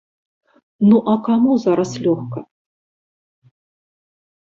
Ну, а каму зараз лёгка?